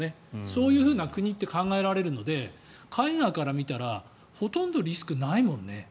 そういうふうな国と考えられるので海外から見たらほとんどリスクないもんね。